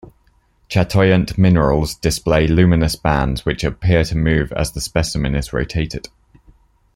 Chatoyant minerals display luminous bands, which appear to move as the specimen is rotated.